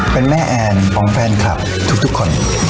เป็นแม่แอนของแฟนคลับทุกคน